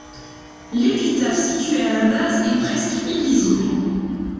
L'épitaphe située à la base est presque illisible.